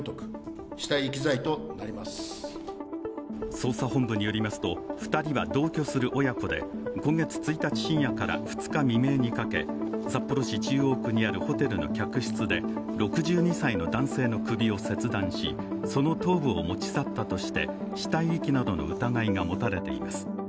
捜査本部によりますと２人は同居する親子で、今月１日深夜から２日未明にかけ、札幌市中央区にあるホテルの客室で６２歳の男性の首を切断しその頭部を持ち去ったとして死体遺棄などの疑いが持たれています。